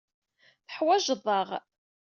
Teḥwajeḍ-aɣ.